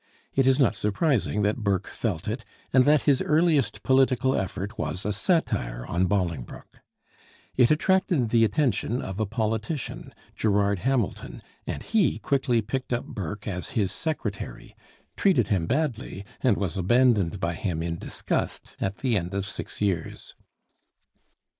It is not surprising that Burke felt it, and that his earliest political effort was a satire on Bolingbroke. It attracted the attention of a politician, Gerard Hamilton, and he quickly picked up Burke as his secretary, treated him badly, and was abandoned by him in disgust at the end of six years.